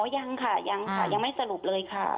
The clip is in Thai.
ยังค่ะยังค่ะยังไม่สรุปเลยค่ะ